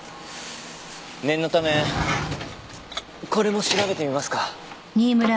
念のためこれも調べてみますか？